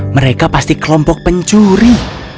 mereka pasti kelompok pencuri